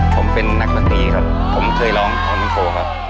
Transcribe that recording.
ผมเป็นนักหนักดีครับผมเคยร้องวงไมโครครับ